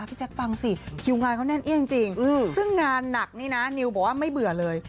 แจ๊คฟังสิคิวงานเขาแน่นเอี่ยงจริงซึ่งงานหนักนี่นะนิวบอกว่าไม่เบื่อเลย